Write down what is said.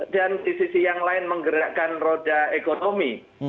dan di sisi yang lain menggerakkan roda ekonomi